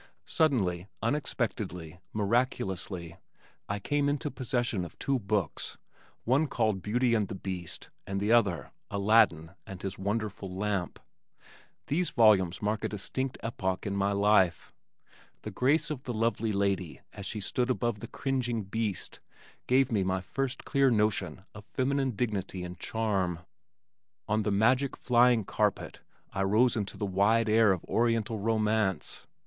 Suddenly, unexpectedly, miraculously, I came into possession of two books, one called Beauty and The Beast, and the other Aladdin and His Wonderful Lamp. These volumes mark a distinct epoch in my life. The grace of the lovely Lady as she stood above the cringing Beast gave me my first clear notion of feminine dignity and charm. On the magic Flying Carpet I rose into the wide air of Oriental romance.